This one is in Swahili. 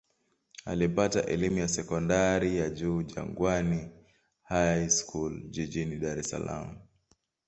Alipata elimu ya sekondari ya juu Jangwani High School jijini Dar es Salaam.